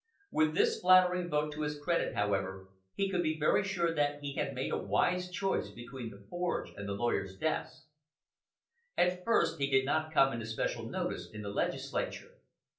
With this flattering vote to his credit, however, he could be very sure that he had made a wise choice between the forge and the lawyer's desk. At first he did not come into special notice in the legislature.